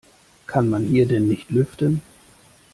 Kann man hier denn nicht lüften?